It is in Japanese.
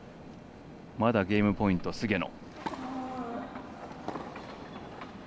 まだゲームポイント、菅野。